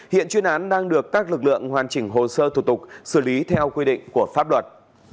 hiện chuyên án đang được các lực lượng hoàn chỉnh hồ sơ thủ tục xử lý theo quy định của pháp luật